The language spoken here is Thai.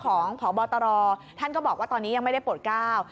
ของพบตรท่านก็บอกว่าตอนนี้ยังไม่ได้โปรดก้าว